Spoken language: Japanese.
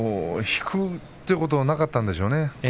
引くということはなかったんでしょうね。